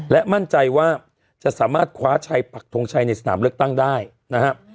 และมั่นใจว่าจะสามารถคว้าชัยปักทงชัยในสนามเลือกตั้งได้นะครับ